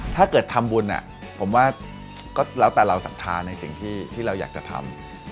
ถ้าเกิดทำบุญผมว่าก็แล้วแต่เราศรัทธาในสิ่งที่เราอยากจะทำ